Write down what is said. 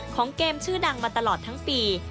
ของเกมชื่อดังมาตลอดทั้งปี